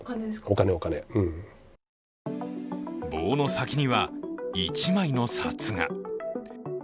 棒の先には１枚の札が。